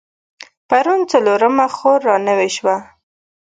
پرون څلرمه خور رانوې شوه.